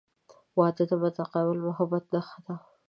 • واده د متقابل محبت نښه ده.